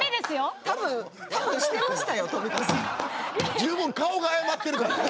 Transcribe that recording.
十分顔が謝ってるから。